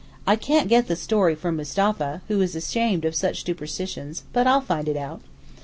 I can't get the story from Mustapha, who is ashamed of such superstitions, but I'll find it out.